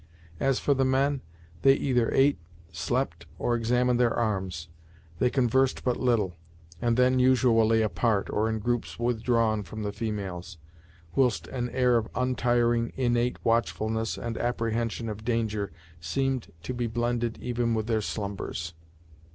As for the men, they either ate, slept, or examined their arms. They conversed but little, and then usually apart, or in groups withdrawn from the females, whilst an air of untiring, innate watchfulness and apprehension of danger seemed to be blended even with their slumbers.